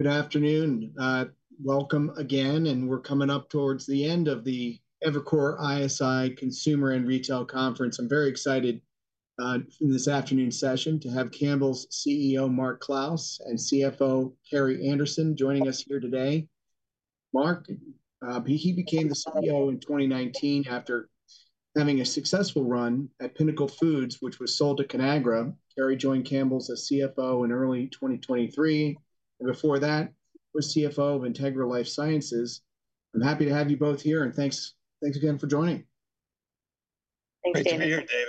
Good afternoon. Welcome again, and we're coming up towards the end of the Evercore ISI Consumer and Retail Conference. I'm very excited in this afternoon's session to have Campbell's CEO, Mark Clouse, and CFO, Carrie Anderson, joining us here today. Mark, he became the CEO in 2019 after having a successful run at Pinnacle Foods, which was sold to Conagra. Carrie joined Campbell's as CFO in early 2023, and before that, was CFO of Integra LifeSciences. I'm happy to have you both here, and thanks again for joining. Thanks, David. Great to be here,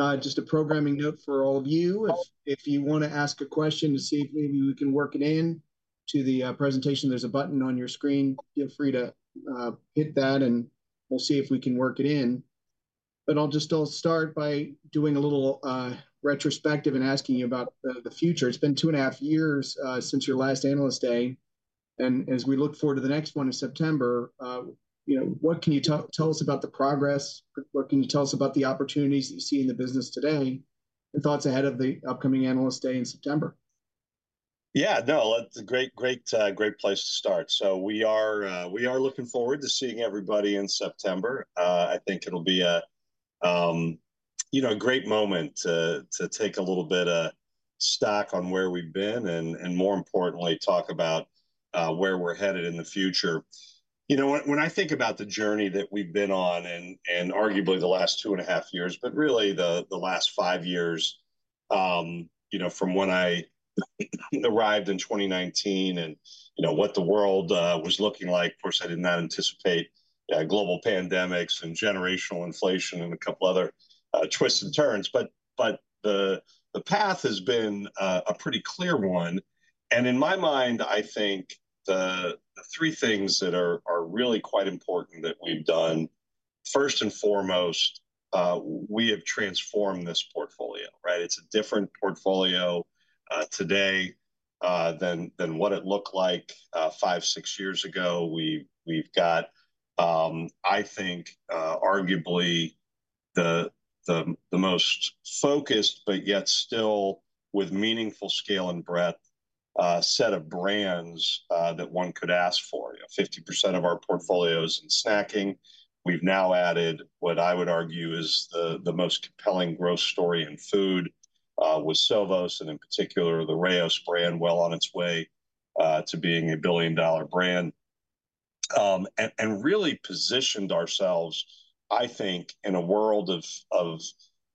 David. Just a programming note for all of you. If you want to ask a question to see if maybe we can work it in to the presentation, there's a button on your screen. Feel free to hit that, and we'll see if we can work it in. But I'll just- I'll start by doing a little retrospective and asking you about the future. It's been two and a half years since your last Analyst Day, and as we look forward to the next one in September, you know, what can you tell us about the progress, what can you tell us about the opportunities that you see in the business today, and thoughts ahead of the upcoming Analyst Day in September? Yeah, no, it's a great, great, great place to start. So we are, we are looking forward to seeing everybody in September. I think it'll be a, you know, a great moment to, to take a little bit of stock on where we've been and, and more importantly, talk about, where we're headed in the future. You know, when, when I think about the journey that we've been on and, and arguably the last two and a half years, but really the, the last five years, you know, from when I arrived in 2019, and, you know, what the world, was looking like, of course, I did not anticipate, global pandemics and generational inflation and a couple other, twists and turns. But the path has been a pretty clear one, and in my mind, I think the three things that are really quite important that we've done, first and foremost, we have transformed this portfolio, right? It's a different portfolio today than what it looked like five, six years ago. We've got, I think, arguably the most focused, but yet still with meaningful scale and breadth, set of brands that one could ask for. You know, 50% of our portfolio is in snacking. We've now added, what I would argue, is the most compelling growth story in food with Sovos, and in particular, the Rao’s brand well on its way to being a billion-dollar brand. And really positioned ourselves, I think, in a world of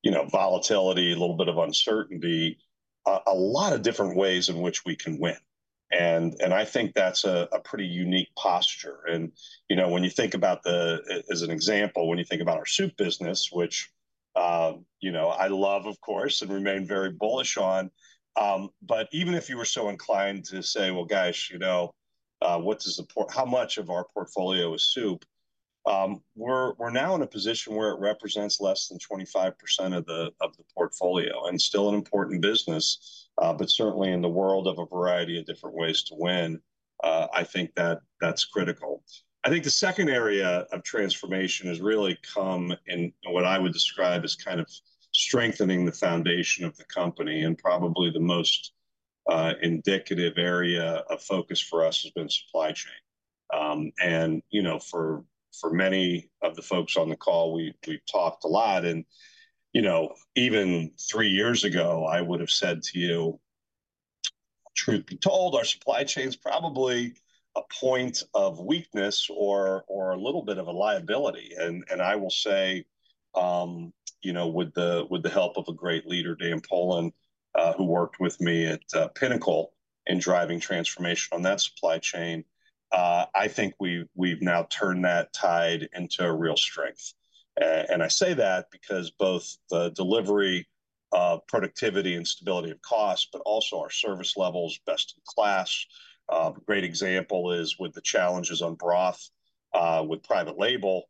you know, volatility, a little bit of uncertainty, a lot of different ways in which we can win, and I think that's a pretty unique posture. And, you know, when you think about as an example, when you think about our soup business, which you know, I love, of course, and remain very bullish on, but even if you were so inclined to say, "Well, guys, you know, how much of our portfolio is soup?" We're now in a position where it represents less than 25% of the portfolio, and still an important business, but certainly in the world of a variety of different ways to win, I think that's critical. I think the second area of transformation has really come in what I would describe as kind of strengthening the foundation of the company, and probably the most indicative area of focus for us has been supply chain. And, you know, for many of the folks on the call, we've talked a lot and, you know, even three years ago, I would've said to you, truth be told, our supply chain's probably a point of weakness or a little bit of a liability. And I will say, you know, with the help of a great leader, Dan Poland, who worked with me at Pinnacle in driving transformation on that supply chain, I think we've now turned that tide into a real strength. And I say that because both the delivery of productivity and stability of cost, but also our service levels, best in class. A great example is with the challenges on broth, with private label,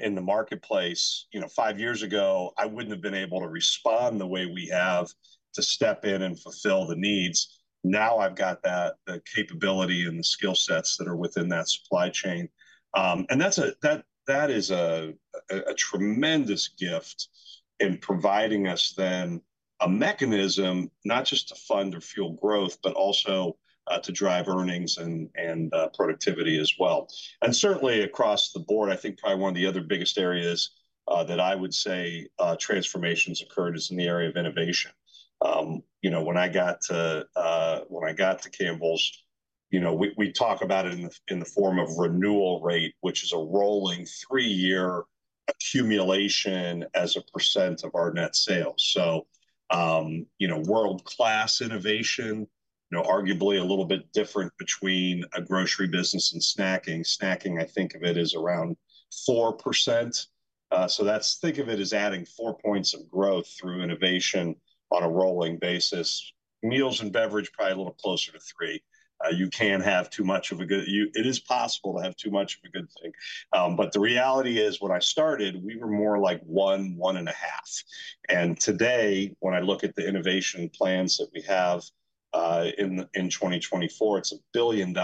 in the marketplace. You know, five years ago, I wouldn't have been able to respond the way we have to step in and fulfill the needs. Now, I've got that, the capability and the skill sets that are within that supply chain. And that's a tremendous gift in providing us then a mechanism not just to fund or fuel growth, but also, to drive earnings and, and, productivity as well. And certainly across the board, I think probably one of the other biggest areas, that I would say, transformations occurred is in the area of innovation. You know, when I got to, when I got to Campbell's, you know, we talk about it in the form of renewal rate, which is a rolling three year accumulation as a percent of our net sales. So, you know, world-class innovation, you know, arguably a little bit different between a grocery business and snacking. Snacking, I think of it, is around 4%. So that's, think of it as adding four points of growth through innovation on a rolling basis. Meals and beverage, probably a little closer to three. You can have too much of a good thing. It is possible to have too much of a good thing. But the reality is, when I started, we were more like one, one and a half. And today, when I look at the innovation plans that we have in 2024, it's $1 billion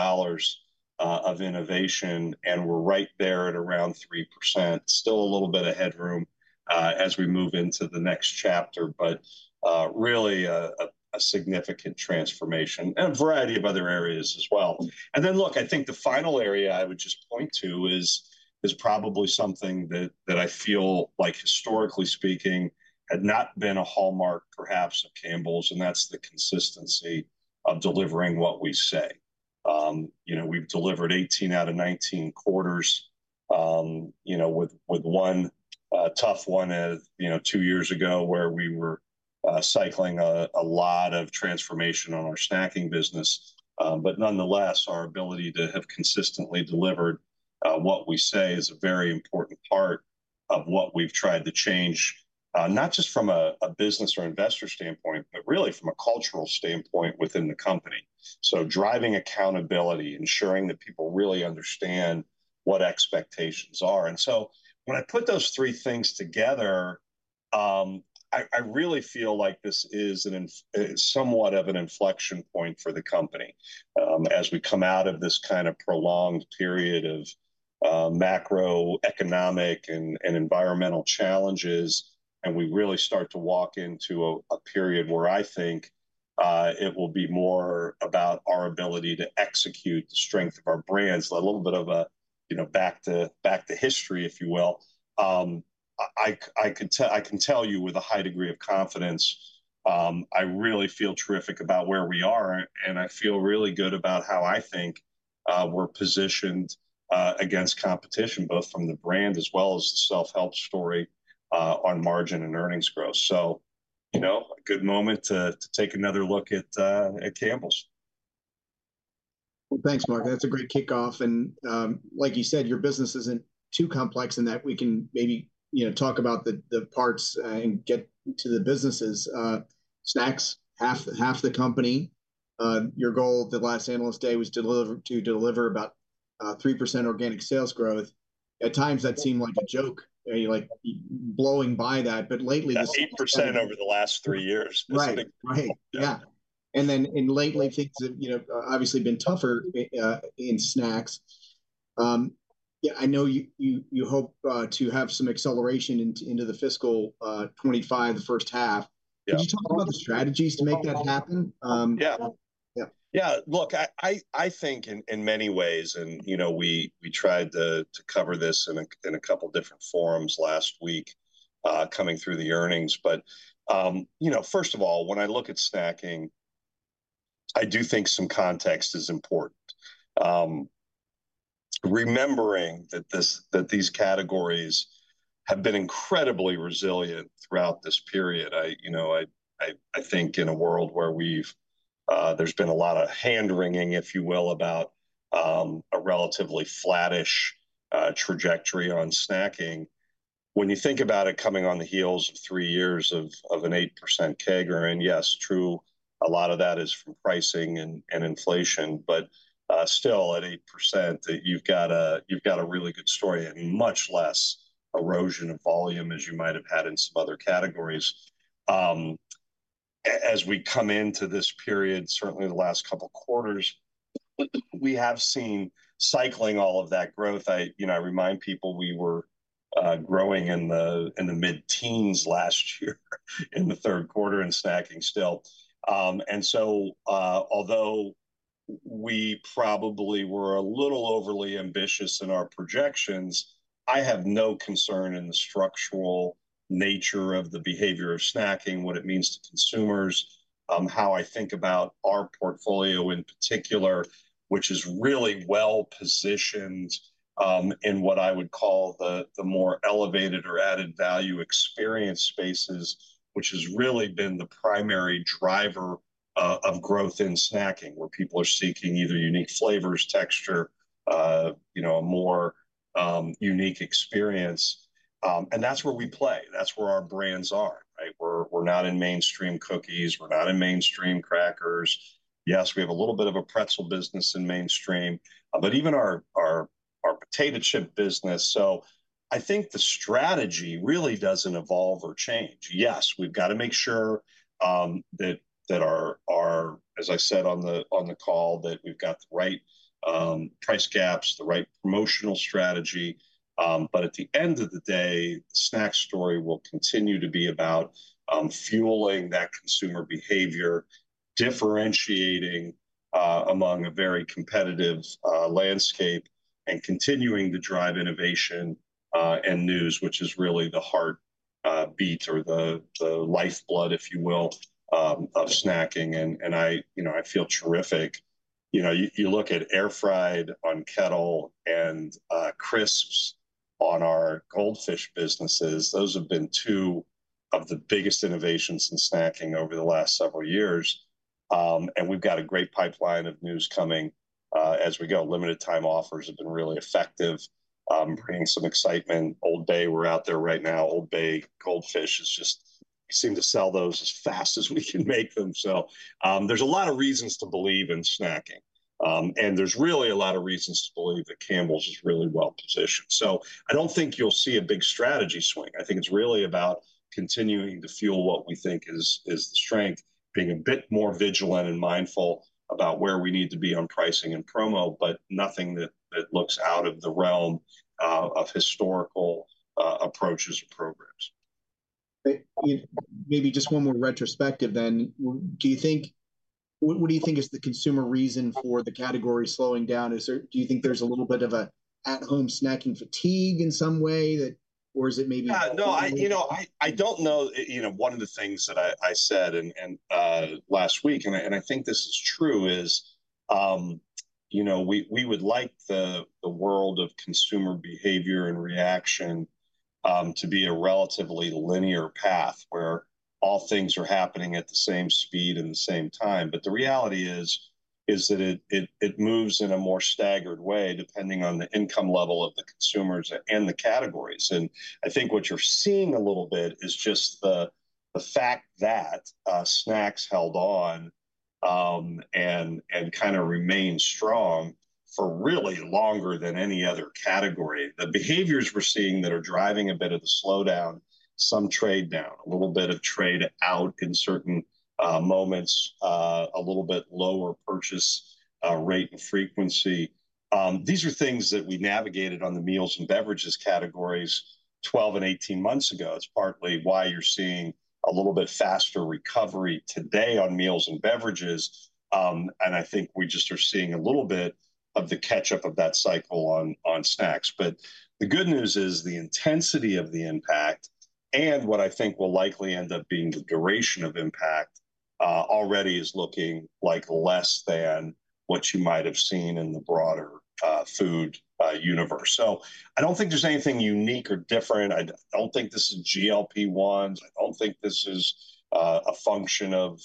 of innovation, and we're right there at around 3%. Still a little bit of headroom as we move into the next chapter, but really a significant transformation, and a variety of other areas as well. And then, look, I think the final area I would just point to is probably something that I feel like, historically speaking, had not been a hallmark, perhaps, of Campbell's, and that's the consistency of delivering what we say. You know, we've delivered 18 out of 19 quarters, you know, with one, a tough one, as you know, two years ago, where we were cycling a lot of transformation on our snacking business. But nonetheless, our ability to have consistently delivered what we say is a very important part of what we've tried to change, not just from a business or investor standpoint, but really from a cultural standpoint within the company. So driving accountability, ensuring that people really understand what expectations are. And so when I put those three things together, I really feel like this is somewhat of an inflection point for the company. As we come out of this kind of prolonged period of macroeconomic and environmental challenges, and we really start to walk into a period where I think it will be more about our ability to execute the strength of our brands. A little bit of a, you know, back to history, if you will. I can tell you with a high degree of confidence. I really feel terrific about where we are, and I feel really good about how I think we're positioned against competition, both from the brand as well as the self-help story on margin and earnings growth. So, you know, a good moment to take another look at Campbell's. Well, thanks, Mark. That's a great kickoff, and like you said, your business isn't too complex in that we can maybe, you know, talk about the parts, and get to the businesses. Snacks, half the company. Your goal at the last analyst day was to deliver about 3% organic sales growth. At times, that seemed like a joke, you like blowing by that, but lately- That's 8% over the last three years. Right. Right. Yeah. Yeah, and then, and lately, things have, you know, obviously been tougher in snacks. Yeah, I know you hope to have some acceleration into the fiscal 2025, the first half. Yeah. Can you talk about the strategies to make that happen? Yeah. Yeah. Yeah, look, I think in many ways, you know, we tried to cover this in a couple different forums last week, coming through the earnings. But, you know, first of all, when I look at snacking, I do think some context is important. Remembering that these categories have been incredibly resilient throughout this period, you know, I think in a world where there's been a lot of hand-wringing, if you will, about a relatively flattish trajectory on snacking. When you think about it coming on the heels of three years of an 8% CAGR, and yes, true, a lot of that is from pricing and inflation, but still, at 8%, you've got a really good story, and much less erosion of volume as you might have had in some other categories. As we come into this period, certainly the last couple quarters, we have seen cycling all of that growth. You know, I remind people we were growing in the mid-teens last year in the third quarter in snacking still. And so, although we probably were a little overly ambitious in our projections, I have no concern in the structural nature of the behavior of snacking, what it means to consumers, how I think about our portfolio in particular, which is really well-positioned, in what I would call the more elevated or added value experience spaces, which has really been the primary driver of growth in snacking, where people are seeking either unique flavors, texture, you know, a more unique experience. And that's where we play. That's where our brands are, right? We're not in mainstream cookies. We're not in mainstream crackers. Yes, we have a little bit of a pretzel business in mainstream, but even our potato chip business. So I think the strategy really doesn't evolve or change. Yes, we've got to make sure that our, as I said on the call, that we've got the right price gaps, the right promotional strategy, but at the end of the day, the snack story will continue to be about fueling that consumer behavior, differentiating among a very competitive landscape, and continuing to drive innovation and news, which is really the heartbeat or the lifeblood, if you will, of snacking. And I, you know, I feel terrific. You know, you look at Air Fried on Kettle and Crisps on our Goldfish businesses, those have been two of the biggest innovations in snacking over the last several years. And we've got a great pipeline of news coming as we go. Limited time offers have been really effective bringing some excitement. Old Bay, we're out there right now. Old Bay Goldfish. We seem to sell those as fast as we can make them. So, there's a lot of reasons to believe in snacking. And there's really a lot of reasons to believe that Campbell's is really well-positioned. So I don't think you'll see a big strategy swing. I think it's really about continuing to fuel what we think is, is the strength, being a bit more vigilant and mindful about where we need to be on pricing and promo, but nothing that, that looks out of the realm, of historical, approaches or programs. But you know, maybe just one more retrospective, then. What do you think is the consumer reason for the category slowing down? Is there a little bit of at-home snacking fatigue in some way, or is it maybe- No, you know, I don't know. You know, one of the things that I said and last week and I think this is true is you know we would like the world of consumer behavior and reaction to be a relatively linear path, where all things are happening at the same speed and the same time. But the reality is that it moves in a more staggered way, depending on the income level of the consumers and the categories. And I think what you're seeing a little bit is just the fact that snacks held on and kind of remained strong for really longer than any other category. The behaviors we're seeing that are driving a bit of the slowdown, some trade down, a little bit of trade out in certain moments, a little bit lower purchase rate and frequency. These are things that we navigated on the meals and beverages categories 12 and 18 months ago. It's partly why you're seeing a little bit faster recovery today on meals and beverages. And I think we just are seeing a little bit of the catch-up of that cycle on snacks. But the good news is, the intensity of the impact, and what I think will likely end up being the duration of impact, already is looking like less than what you might have seen in the broader food universe. So I don't think there's anything unique or different. I don't think this is GLP-1s. I don't think this is a function of,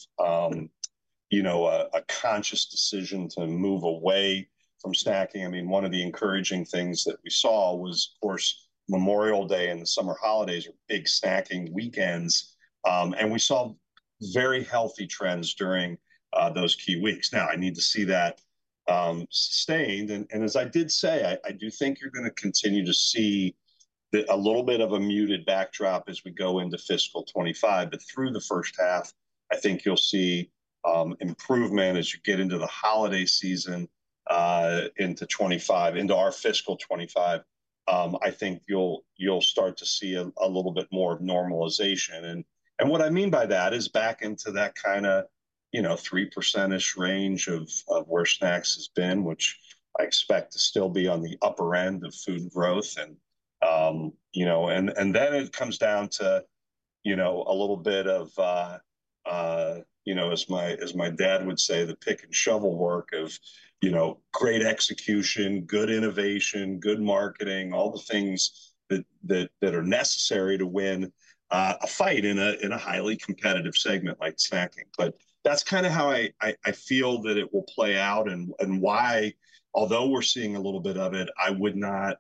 you know, a conscious decision to move away from snacking. I mean, one of the encouraging things that we saw was, of course, Memorial Day and the summer holidays were big snacking weekends. And we saw very healthy trends during those key weeks. Now, I need to see that sustained. And as I did say, I do think you're gonna continue to see a little bit of a muted backdrop as we go into fiscal 2025, but through the first half, I think you'll see improvement as you get into the holiday season into 2025. Into our fiscal 2025, I think you'll start to see a little bit more of normalization. What I mean by that is back into that kind of, you know, 3% range of where snacks has been, which I expect to still be on the upper end of food growth. And then it comes down to, you know, a little bit of, you know, as my dad would say, the pick and shovel work of, you know, great execution, good innovation, good marketing, all the things that are necessary to win a fight in a highly competitive segment like snacking. But that's kind of how I feel that it will play out, and why, although we're seeing a little bit of it, I would not.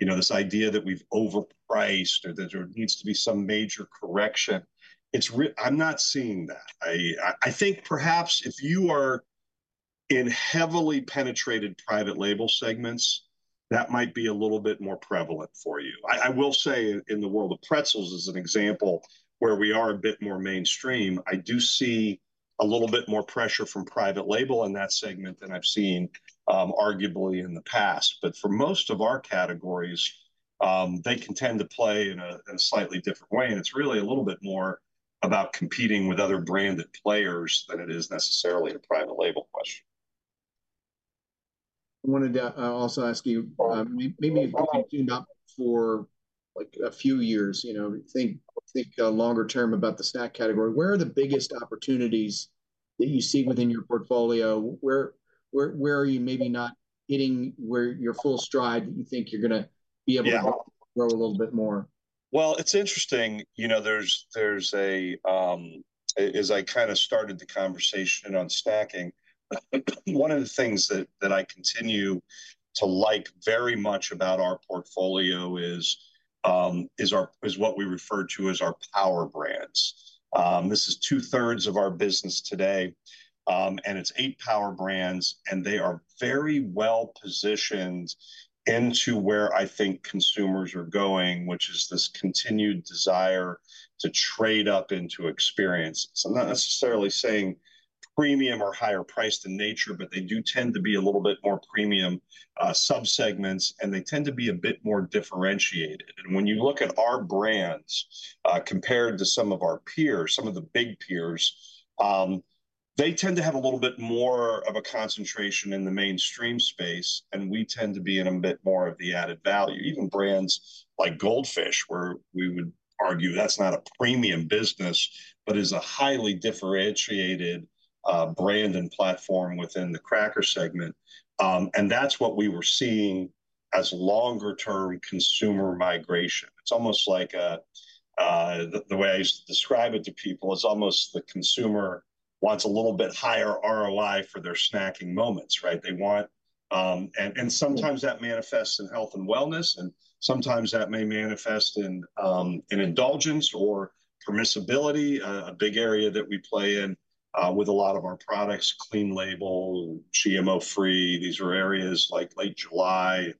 You know, this idea that we've overpriced or that there needs to be some major correction. I'm not seeing that. I think perhaps if you are in heavily penetrated private label segments, that might be a little bit more prevalent for you. I will say in the world of pretzels, as an example, where we are a bit more mainstream, I do see a little bit more pressure from private label in that segment than I've seen, arguably in the past. But for most of our categories, they can tend to play in a slightly different way, and it's really a little bit more about competing with other branded players than it is necessarily a private label question. I wanted to also ask you, maybe if you do not for, like, a few years, you know, think longer term about the snack category, where are the biggest opportunities that you see within your portfolio? Where are you maybe not hitting, where you're full stride, that you think you're gonna be able- Yeah To grow a little bit more? Well, it's interesting. You know, there's a as I kind of started the conversation on snacking, one of the things that I continue to like very much about our portfolio is our- is what we refer to as our power brands. This is two-thirds of our business today, and it's 8 power brands, and they are very well-positioned into where I think consumers are going, which is this continued desire to trade up into experiences. I'm not necessarily saying premium or higher priced in nature, but they do tend to be a little bit more premium subsegments, and they tend to be a bit more differentiated. And when you look at our brands, compared to some of our peers, some of the big peers, they tend to have a little bit more of a concentration in the mainstream space, and we tend to be in a bit more of the added value. Even brands like Goldfish, where we would argue that's not a premium business, but is a highly differentiated brand and platform within the cracker segment. And that's what we were seeing as longer-term consumer migration. It's almost like the way I used to describe it to people, it's almost the consumer wants a little bit higher ROI for their snacking moments, right? And sometimes that manifests in health and wellness, and sometimes that may manifest in an indulgence or permissibility. A big area that we play in with a lot of our products, clean label, GMO-free, these are areas like Late July,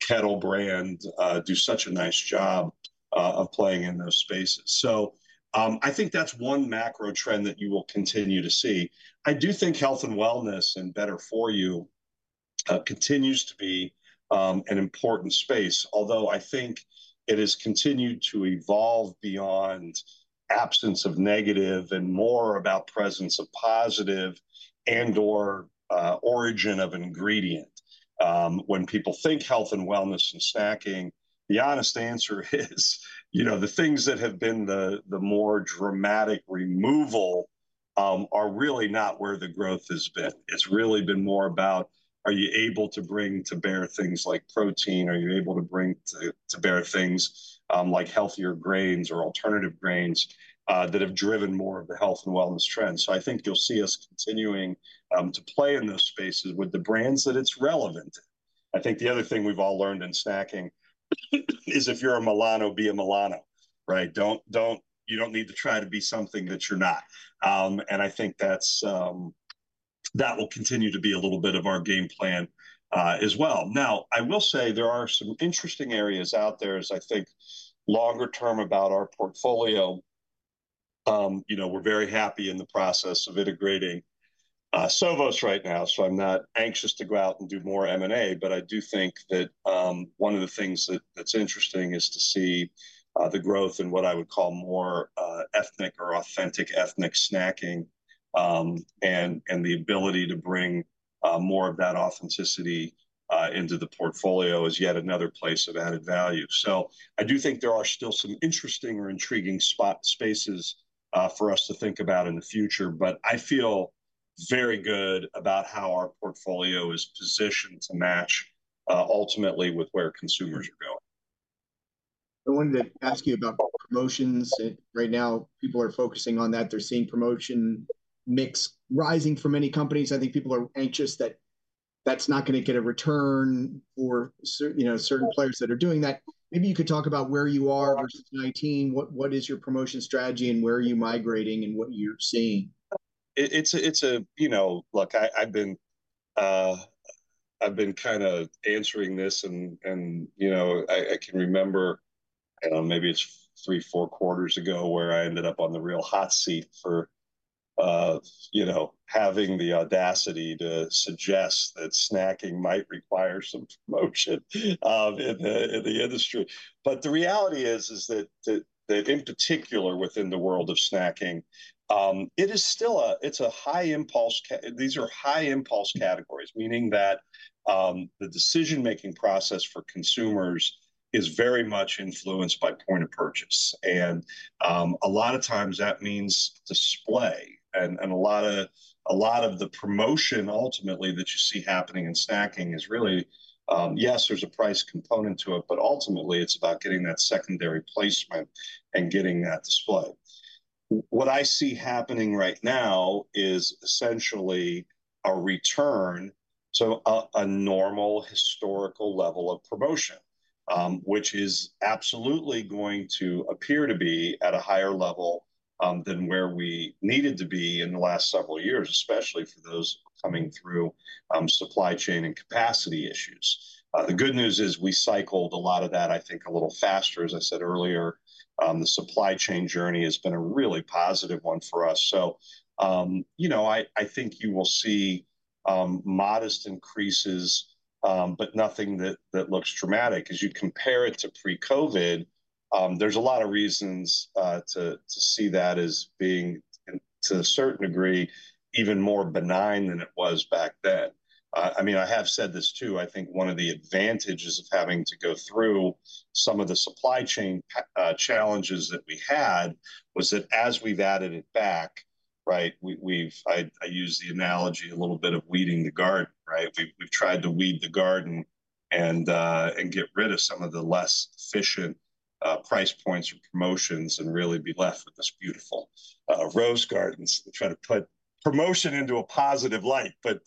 Kettle Brand, do such a nice job of playing in those spaces. So, I think that's one macro trend that you will continue to see. I do think health and wellness and better for you continues to be an important space. Although I think it has continued to evolve beyond absence of negative and more about presence of positive and/or origin of an ingredient. When people think health and wellness and snacking, the honest answer is, you know, the things that have been the, the more dramatic removal are really not where the growth has been. It's really been more about, are you able to bring to bear things like protein? Are you able to bring to bear things like healthier grains or alternative grains that have driven more of the health and wellness trends? So I think you'll see us continuing to play in those spaces with the brands that it's relevant. I think the other thing we've all learned in snacking is, if you're a Milano, be a Milano, right? Don't you don't need to try to be something that you're not. And I think that's that will continue to be a little bit of our game plan, as well. Now, I will say there are some interesting areas out there, as I think longer term about our portfolio. You know, we're very happy in the process of integrating Sovos right now, so I'm not anxious to go out and do more M&A. But I do think that one of the things that's interesting is to see the growth in what I would call more ethnic or authentic ethnic snacking. And the ability to bring more of that authenticity into the portfolio is yet another place of added value. So I do think there are still some interesting or intriguing spaces for us to think about in the future, but I feel very good about how our portfolio is positioned to match ultimately with where consumers are going. I wanted to ask you about promotions. Right now, people are focusing on that. They're seeing promotion mix rising for many companies. I think people are anxious that that's not gonna get a return for you know, certain players that are doing that. Maybe you could talk about where you are versus 2019, what is your promotion strategy, and where are you migrating, and what you're seeing? It's a, you know Look, I've been kind of answering this and, you know, I can remember, maybe it's three, four quarters ago, where I ended up on the real hot seat for, you know, having the audacity to suggest that snacking might require some promotion, in the industry. But the reality is that in particular, within the world of snacking, it is still a- it's a high impulse ca- these are high impulse categories. Meaning that the decision-making process for consumers is very much influenced by point of purchase, and a lot of times, that means display. And a lot of the promotion ultimately that you see happening in snacking is really. Yes, there's a price component to it, but ultimately it's about getting that secondary placement and getting that display. What I see happening right now is essentially a return to a normal historical level of promotion, which is absolutely going to appear to be at a higher level than where we needed to be in the last several years, especially for those coming through supply chain and capacity issues. The good news is, we cycled a lot of that, I think, a little faster. As I said earlier, the supply chain journey has been a really positive one for us. So, you know, I think you will see modest increases, but nothing that looks dramatic. As you compare it to pre-COVID, there's a lot of reasons to see that as being, to a certain degree, even more benign than it was back then. I mean, I have said this, too. I think one of the advantages of having to go through some of the supply chain challenges that we had was that as we've added it back, right, we've I use the analogy a little bit of weeding the garden, right? We've tried to weed the garden and get rid of some of the less efficient price points or promotions, and really be left with this beautiful rose garden, try to put promotion into a positive light. But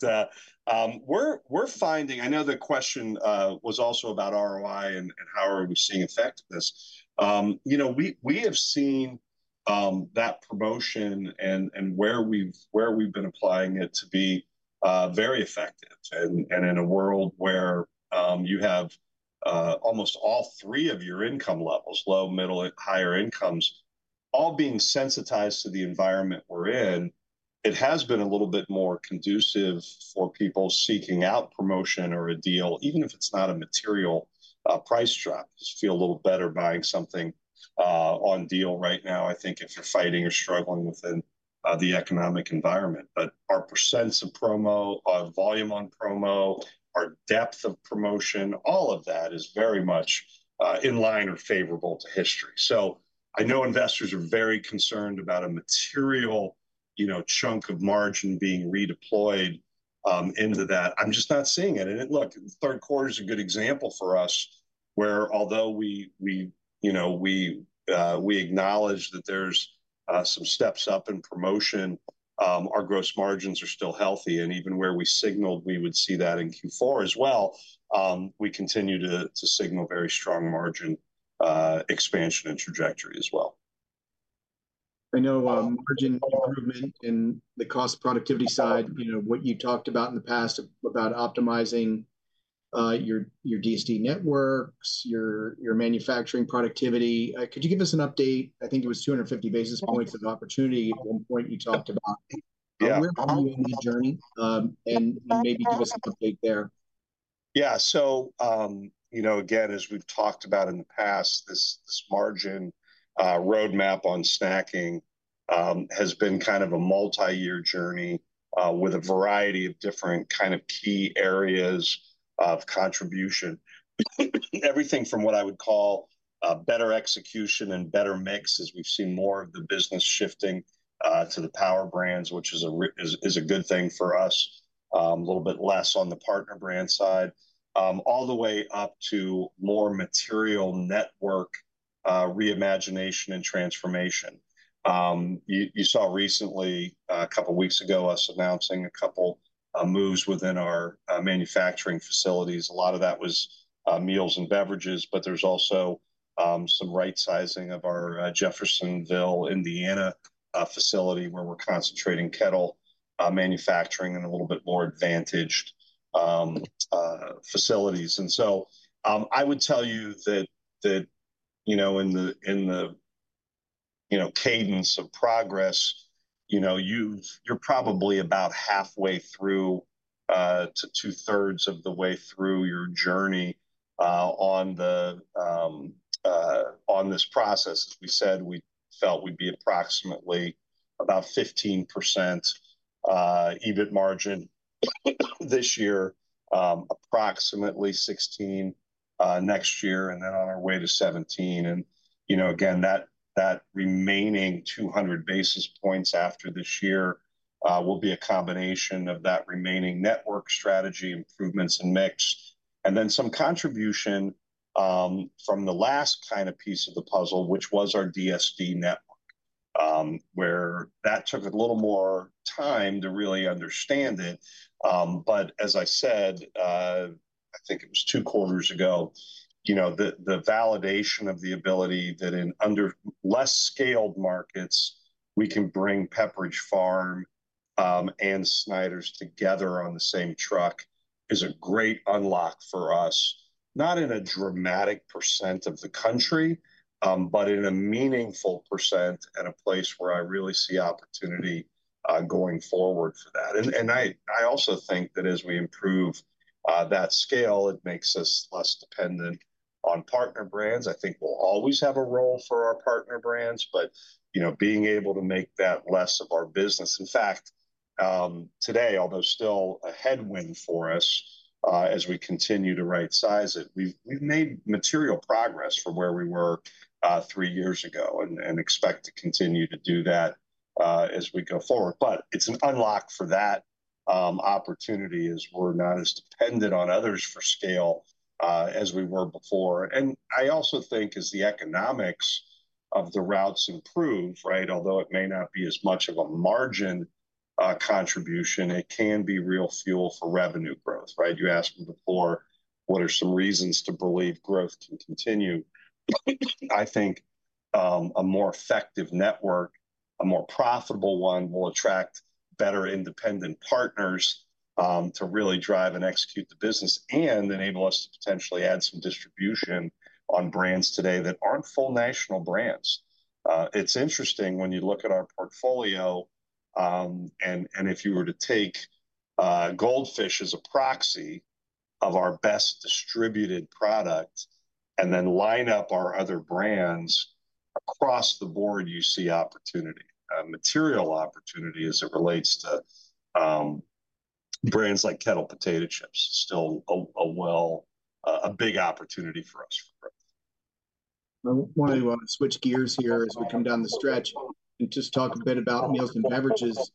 we're finding- I know the question was also about ROI and how are we seeing effectiveness. You know, we have seen that promotion and where we've been applying it to be very effective. In a world where you have almost all three of your income levels, low, middle, and higher incomes, all being sensitized to the environment we're in, it has been a little bit more conducive for people seeking out promotion or a deal, even if it's not a material price drop. Just feel a little better buying something on deal right now, I think, if you're fighting or struggling within the economic environment. But our percents of promo, our volume on promo, our depth of promotion, all of that is very much in line or favorable to history. So I know investors are very concerned about a material chunk of margin being redeployed into that. I'm just not seeing it. And look, the third quarter is a good example for us, where although we, you know, we acknowledge that there's some steps up in promotion, our gross margins are still healthy. And even where we signaled we would see that in Q4 as well, we continue to signal very strong margin expansion and trajectory as well. I know, margin improvement in the cost productivity side, you know, what you talked about in the past about optimizing, your DSD networks, your manufacturing productivity. Could you give us an update? I think it was 250 basis points of opportunity at one point you talked about- Yeah Where are you in the journey? And maybe give us an update there. Yeah, so, you know, again, as we've talked about in the past, this margin roadmap on snacking has been kind of a multi-year journey with a variety of different kind of key areas of contribution. Everything from what I would call better execution and better mix, as we've seen more of the business shifting to the power brands, which is a, is a good thing for us. A little bit less on the partner brand side, all the way up to more material network reimagination and transformation. You saw recently, a couple of weeks ago, us announcing a couple moves within our manufacturing facilities. A lot of that was meals and beverages, but there's also some right sizing of our Jeffersonville, Indiana facility, where we're concentrating kettle manufacturing and a little bit more advantaged facilities. And so I would tell you that, you know, in the cadence of progress, you know, you're probably about halfway through to two-thirds of the way through your journey on this process. As we said, we felt we'd be approximately about 15% EBIT margin this year, approximately 16 next year, and then on our way to 17. And, you know, again, that remaining 200 basis points after this year will be a combination of that remaining network strategy, improvements, and mix. And then some contribution from the last kind of piece of the puzzle, which was our DSD network, where that took a little more time to really understand it. But as I said, I think it was two quarters ago, you know, the validation of the ability that in under less scaled markets, we can bring Pepperidge Farm and Snyder's together on the same truck is a great unlock for us. Not in a dramatic percent of the country, but in a meaningful percent and a place where I really see opportunity going forward for that. And I also think that as we improve that scale, it makes us less dependent on partner brands. I think we'll always have a role for our partner brands, but you know, being able to make that less of our business. In fact, today, although still a headwind for us, as we continue to right size it, we've made material progress from where we were three years ago and expect to continue to do that as we go forward. But it's an unlock for that opportunity, as we're not as dependent on others for scale as we were before. And I also think as the economics of the routes improve, right, although it may not be as much of a margin contribution, it can be real fuel for revenue growth, right? You asked me before, what are some reasons to believe growth can continue? I think, a more effective network, a more profitable one, will attract better independent partners, to really drive and execute the business and enable us to potentially add some distribution on brands today that aren't full national brands. It's interesting, when you look at our portfolio, and if you were to take Goldfish as a proxy of our best distributed product and then line up our other brands, across the board, you see opportunity, material opportunity as it relates to brands like Kettle Potato Chips, still a big opportunity for us for growth. I want to switch gears here as we come down the stretch and just talk a bit about meals and beverages.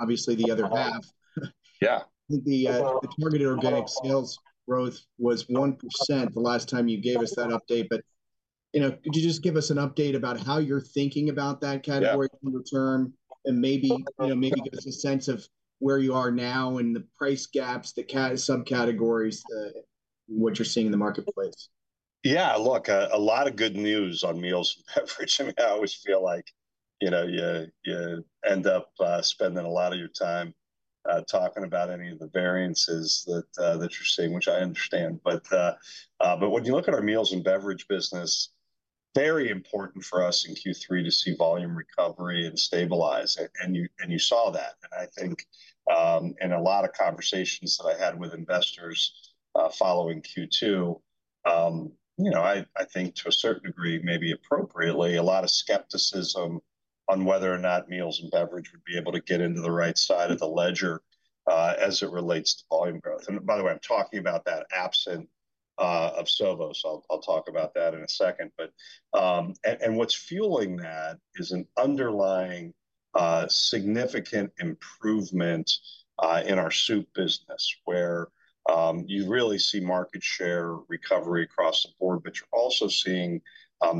Obviously, the other half. Yeah. The targeted organic sales growth was 1% the last time you gave us that update. But, you know, could you just give us an update about how you're thinking about that category? Yeah Long-term, and maybe, you know, maybe give us a sense of where you are now and the price gaps, the subcategories, what you're seeing in the marketplace? Yeah, look, a lot of good news on meals and beverage. I mean, I always feel like, you know, you end up spending a lot of your time talking about any of the variances that you're seeing, which I understand. But when you look at our meals and beverage business, very important for us in Q3 to see volume recovery and stabilize, and you saw that. And I think, in a lot of conversations that I had with investors, following Q2, you know, I think to a certain degree, maybe appropriately, a lot of skepticism on whether or not meals and beverage would be able to get into the right side of the ledger, as it relates to volume growth. And by the way, I'm talking about that absent of Sovos. I'll talk about that in a second. But, and what's fueling that is an underlying, significant improvement, in our soup business, where, you really see market share recovery across the board, but you're also seeing,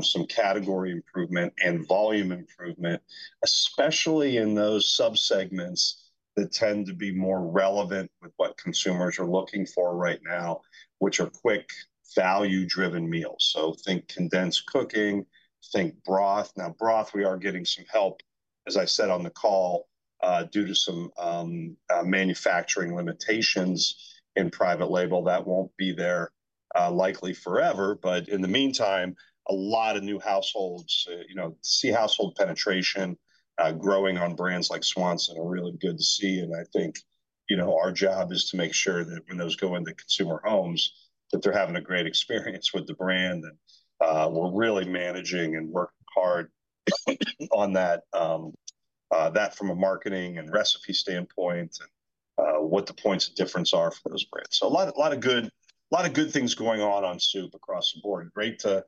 some category improvement and volume improvement, especially in those sub-segments that tend to be more relevant with what consumers are looking for right now, which are quick, value-driven meals. So think condensed cooking, think broth. Now, broth, we are getting some help, as I said, on the call, due to some, manufacturing limitations in private label. That won't be there, likely forever, but in the meantime, a lot of new households, you know, see household penetration, growing on brands like Swanson are really good to see. I think, you know, our job is to make sure that when those go into consumer homes, that they're having a great experience with the brand, and we're really managing and working hard on that, that from a marketing and recipe standpoint, and what the points of difference are for those brands. So a lot, a lot of good, a lot of good things going on on soup across the board. Great to,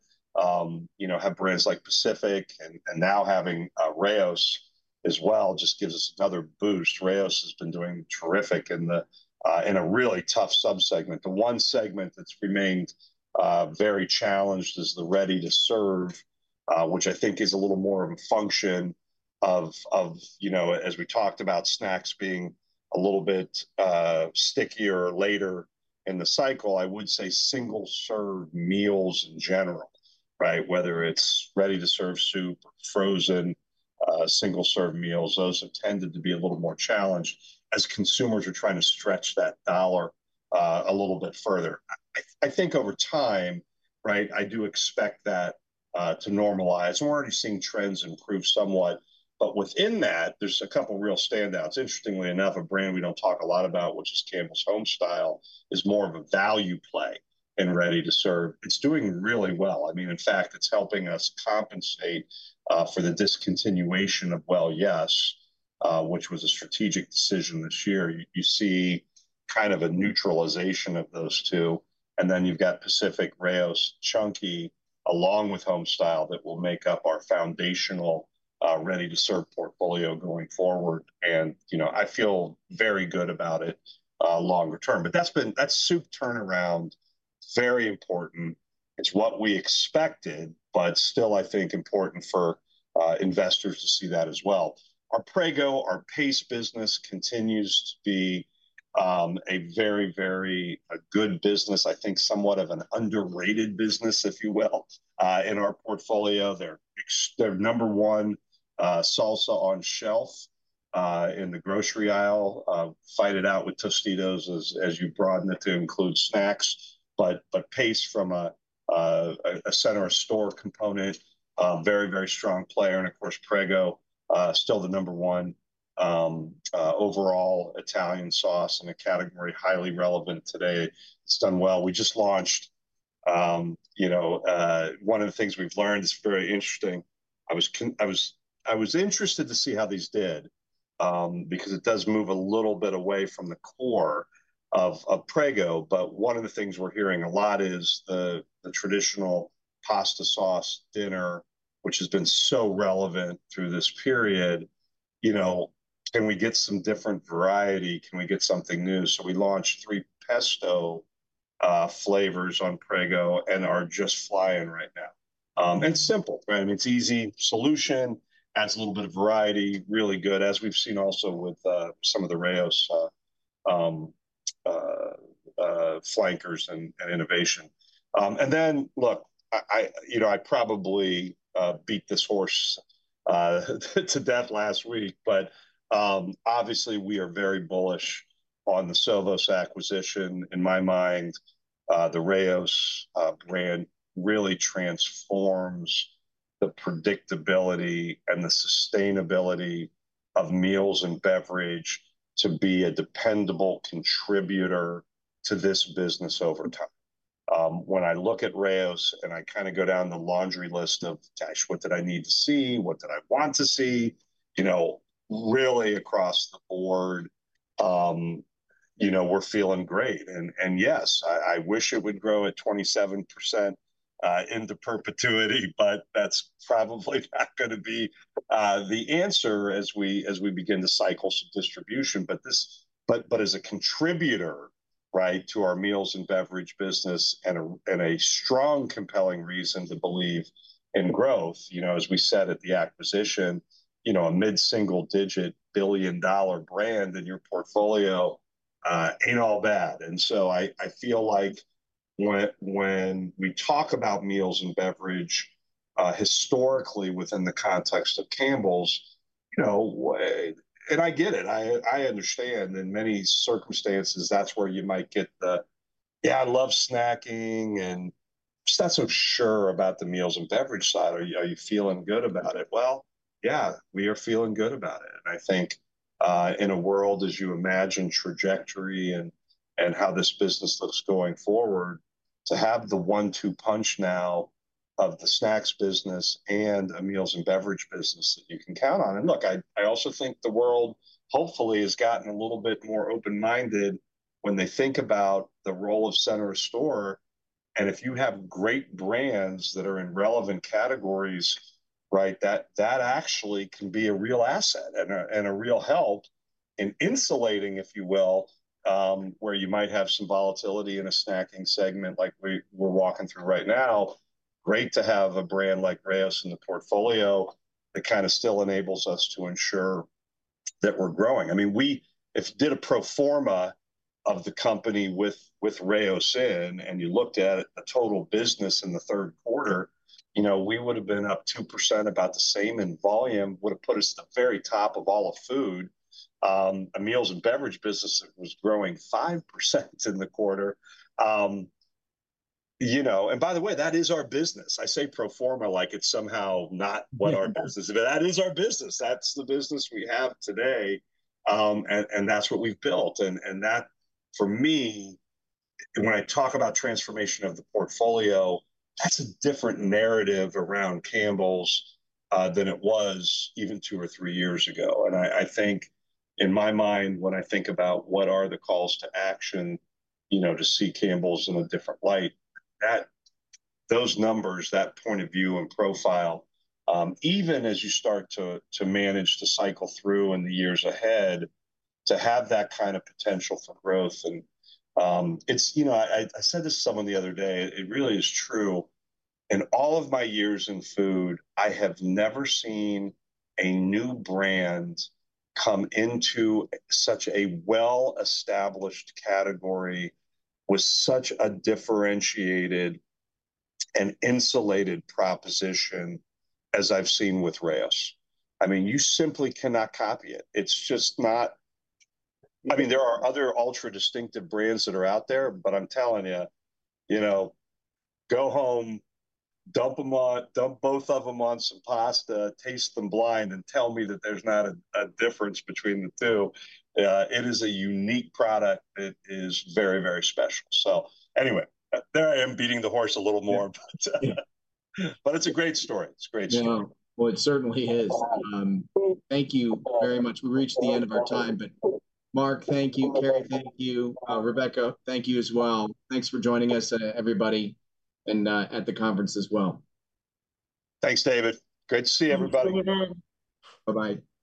you know, have brands like Pacific, and now having Rao's as well, just gives us another boost. Rao's has been doing terrific in the in a really tough sub-segment. The one segment that's remained very challenged is the ready-to-serve, which I think is a little more of a function of, you know, as we talked about snacks being a little bit stickier later in the cycle. I would say single-serve meals in general, right? Whether it's ready-to-serve soup, frozen single-serve meals, those have tended to be a little more challenged as consumers are trying to stretch that dollar a little bit further. I think over time, right, I do expect that to normalize. We're already seeing trends improve somewhat, but within that, there's a couple real standouts. Interestingly enough, a brand we don't talk a lot about, which is Campbell’s Homestyle, is more of a value play in ready-to-serve. It's doing really well. I mean, in fact, it's helping us compensate for the discontinuation of Well Yes!, which was a strategic decision this year. You see kind of a neutralization of those two, and then you've got Pacific, Rao's, Chunky, along with Homestyle, that will make up our foundational ready-to-serve portfolio going forward. And, you know, I feel very good about it longer term. But that's been, that's soup turnaround, very important. It's what we expected, but still, I think, important for investors to see that as well. Our Prego, our Pace business continues to be a very, very good business, I think somewhat of an underrated business, if you will, in our portfolio. They're number one salsa on shelf in the grocery aisle, fight it out with Tostitos as you broaden it to include snacks. But Pace from a center store component, a very, very strong player. And of course, Prego still the number 1 overall Italian sauce in a category highly relevant today. It's done well. We just launched, you know. One of the things we've learned that's very interesting, I was interested to see how these did, because it does move a little bit away from the core of Prego. But one of the things we're hearing a lot is the traditional pasta sauce dinner, which has been so relevant through this period, you know, "Can we get some different variety? Can we get something new?" So we launched three pesto flavors on Prego and are just flying right now. And simple, right? I mean, it's easy solution, adds a little bit of variety, really good, as we've seen also with some of the Rao’s flankers and innovation. And then, look, I, you know, I probably beat this horse to death last week, but obviously, we are very bullish on the Sovos acquisition. In my mind, the Rao’s brand really transforms the predictability and the sustainability of meals and beverage to be a dependable contributor to this business over time. When I look at Rao’s, and I kind of go down the laundry list of, "Gosh, what did I need to see? What did I want to see?" You know, really across the board, you know, we're feeling great. And yes, I wish it would grow at 27%, into perpetuity, but that's probably not gonna be the answer as we begin to cycle some distribution. But as a contributor, right, to our meals and beverage business and a strong, compelling reason to believe in growth, you know, as we said at the acquisition, you know, a mid-single-digit billion-dollar brand in your portfolio, ain't all bad. And so I feel like when we talk about meals and beverage, historically, within the context of Campbell's, you know. And I get it, I understand in many circumstances, that's where you might get the, "Yeah, I love snacking," and just not so sure about the meals and beverage side. Are you feeling good about it?" Well, yeah, we are feeling good about it, and I think, in a world as you imagine trajectory and how this business looks going forward to have the one-two punch now of the snacks business and a meals and beverage business that you can count on. And look, I also think the world hopefully has gotten a little bit more open-minded when they think about the role of center store, and if you have great brands that are in relevant categories, right, that actually can be a real asset and a real help in insulating, if you will, where you might have some volatility in a snacking segment like we're walking through right now. Great to have a brand like Rao’s in the portfolio that kind of still enables us to ensure that we're growing. I mean, we, if you did a pro forma of the company with, with Rao’s in, and you looked at it, the total business in the third quarter, you know, we would've been up 2%, about the same in volume, would've put us at the very top of all of food. A meals and beverage business that was growing 5% in the quarter. You know, and by the way, that is our business. I say pro forma like it's somehow not what our business is, but that is our business. That's the business we have today, and, and that's what we've built. And that, for me, and when I talk about transformation of the portfolio, that's a different narrative around Campbell's than it was even two or three years ago. And I think in my mind, when I think about what are the calls to action, you know, to see Campbell's in a different light, that, those numbers, that point of view and profile, even as you start to manage the cycle through in the years ahead, to have that kind of potential for growth. It's. You know, I said this to someone the other day, it really is true, in all of my years in food, I have never seen a new brand come into such a well-established category with such a differentiated and insulated proposition as I've seen with Rao's. I mean, you simply cannot copy it. It's just not. I mean, there are other ultra distinctive brands that are out there, but I'm telling you, you know, go home, dump them on- dump both of them on some pasta, taste them blind, and tell me that there's not a difference between the two. It is a unique product. It is very, very special. So anyway, there I am beating the horse a little more, but, but it's a great story. It's a great story. Yeah. Well, it certainly is. Thank you very much. We've reached the end of our time, but Mark, thank you. Carrie, thank you. Rebecca, thank you as well. Thanks for joining us, everybody, and at the conference as well. Thanks, David. Great to see everybody. Thanks for joining. Bye-bye.